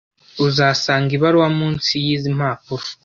Uzasanga ibaruwa munsi yizi mpapuro.